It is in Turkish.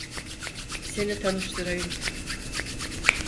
Seni tanıştırayım.